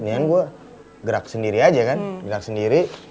ya kan gue gerak sendiri aja kan gerak sendiri